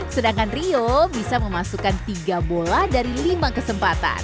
sedangkan rio bisa memasukkan tiga bola dari lima kesempatan